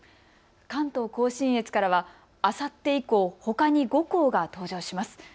関東甲信越からはあさって以降、ほかに５校が登場します。